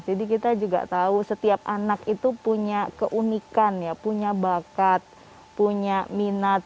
jadi kita juga tahu setiap anak itu punya keunikan ya punya bakat punya minat